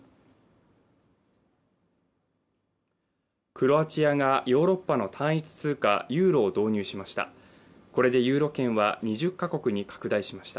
クロアチアがヨーロッパの単一通貨ユーロを導入しました。